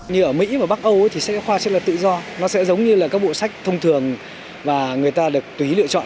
như ở mỹ và bắc âu thì sách giáo khoa sẽ là tự do nó sẽ giống như là các bộ sách thông thường và người ta được tùy lựa chọn